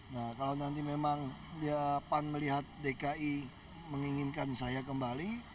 nah kalau nanti memang pan melihat dki menginginkan saya kembali